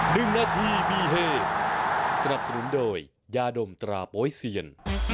หนึ่งนาทีมีเฮสนับสนุนโดยยาดมตราโป๊ยเซียน